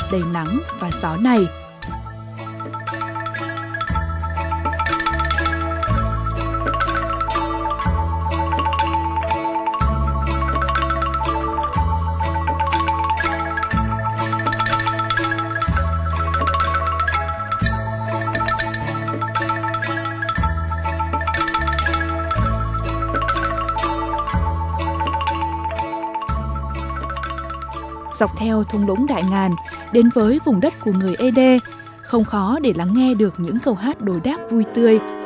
dọc theo thung đống đại ngàn đến với vùng đất của người ế đê không khó để lắng nghe được những câu hát đổi đáp vui tươi